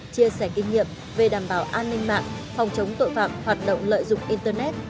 chia sẻ kinh nghiệm về đảm bảo an ninh mạng phòng chống tội phạm hoạt động lợi dụng internet